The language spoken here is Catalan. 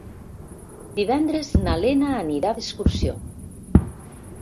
Divendres na Lena anirà d'excursió.